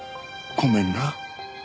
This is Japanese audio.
ごめんな。